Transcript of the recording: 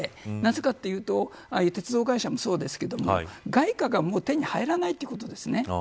ああいう鉄道会社もそうですが外貨がもう手に入らないということですね。